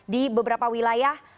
di beberapa wilayah